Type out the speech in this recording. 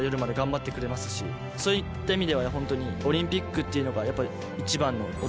そういった意味ではホントにオリンピックっていうのが一番の。